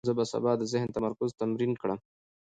زه به سبا د ذهن تمرکز تمرین کړم.